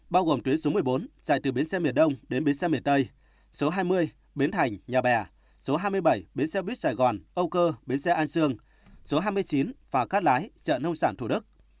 bao gồm tuyến số một mươi bốn chạy từ biến xe miền đông đến biến xe miền tây số hai mươi biến thành nhà bè số hai mươi bảy biến xe buýt sài gòn âu cơ biến xe an sương số hai mươi chín phà cát lái chợ nông sản thủ đức